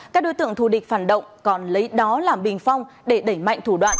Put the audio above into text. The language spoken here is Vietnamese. các đối tượng thù địch phản động còn lấy đó làm bình phong để đẩy mạnh thủ đoạn